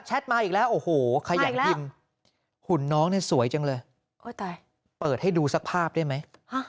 มาอีกแล้วโอ้โหขยันพิมพ์หุ่นน้องเนี่ยสวยจังเลยเปิดให้ดูสักภาพได้ไหม